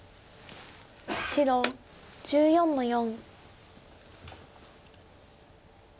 白１４の四。